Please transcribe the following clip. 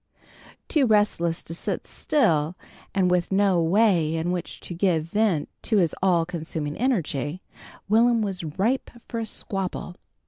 Too restless to sit still, and with no way in which to give vent to his all consuming energy, Will'm was ripe for a squabble.